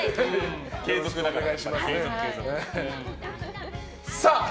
継続だから。